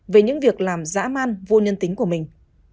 về những việc làm dã man vô nhân tính của mình